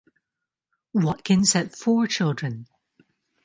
Watkins had four children.